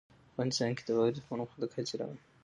افغانستان کې د واوره د پرمختګ هڅې روانې دي.